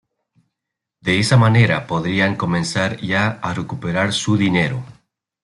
De esta manera, podrían comenzar ya a recuperar su dinero.